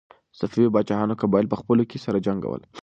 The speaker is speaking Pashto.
صفوي پاچاهانو قبایل په خپلو کې سره جنګول.